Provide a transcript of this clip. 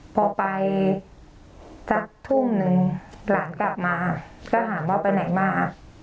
พอไปสักทุ่มหนึ่งหลานกลับมาก็ถามว่าไปไหนมา